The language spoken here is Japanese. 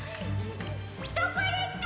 どこですか？